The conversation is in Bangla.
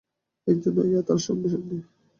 একজন আয়া তার সঙ্গে সঙ্গে।